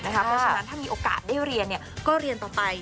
เพราะฉะนั้นถ้ามีโอกาสได้เรียนก็เรียนต่อไป